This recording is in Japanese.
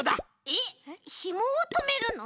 えっひもをとめるの？